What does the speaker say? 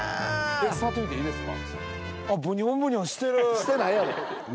触ってみていいですか？